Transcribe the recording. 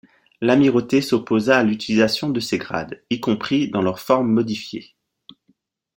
L'Amirauté s'opposa à l'utilisation de ses grades, y compris dans leur forme modifiée.